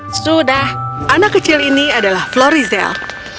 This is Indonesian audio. sudah anak kecil ini adalah flory zell